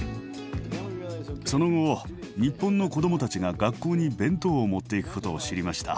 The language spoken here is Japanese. その後日本の子どもたちが学校に弁当を持っていくことを知りました。